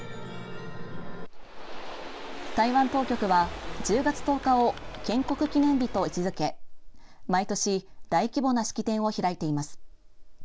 台湾当局は１０月１０日を建国記念日と位置付け毎年、大規模な式典を開いています。